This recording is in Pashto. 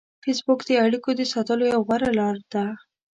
فېسبوک د اړیکو د ساتلو یوه غوره لار ده